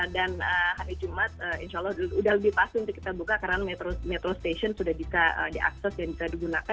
dan hari jumat insya allah sudah lebih pasti untuk kita buka karena metro station sudah bisa diakses dan bisa digunakan